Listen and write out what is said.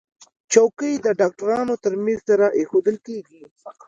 چوکۍ د ډاکټر تر میز سره ایښودل کېږي.